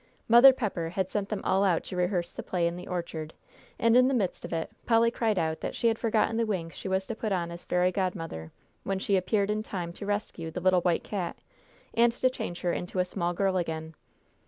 Mother Pepper had sent them all out to rehearse the play in the orchard, and in the midst of it Polly cried out that she had forgotten the wings she was to put on as fairy godmother, when she appeared in time to rescue the little white cat, and to change her into a small girl again.